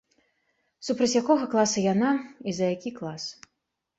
Супраць якога класа яна і за які клас.